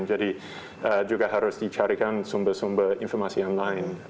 jadi juga harus dicarikan sumber sumber informasi yang lain